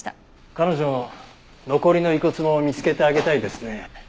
彼女の残りの遺骨も見つけてあげたいですね。